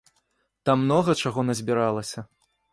Там многа чаго назбіралася.